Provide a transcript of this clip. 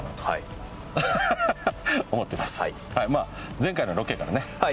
前回のロケからね